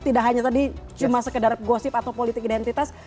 tidak hanya tadi cuma sekedar gosip atau politik identitas